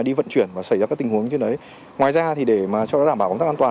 đi vận chuyển và xảy ra các tình huống trên đấy ngoài ra thì để mà cho nó đảm bảo công tác an toàn